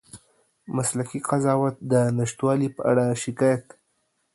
مسلکي قضاوت د نشتوالي په اړه شکایت